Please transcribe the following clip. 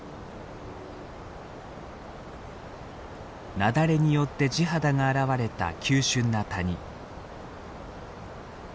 雪崩によって地肌が現れた急しゅんな谷。